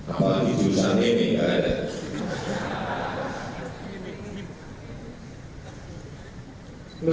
apalagi jurusan ini tidak ada tersebut